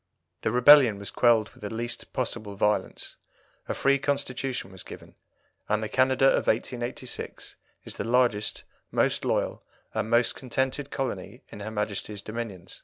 The rebellion was quelled with the least possible violence, a free Constitution was given, and the Canada of 1886 is the largest, most loyal, and most contented colony in her Majesty's dominions.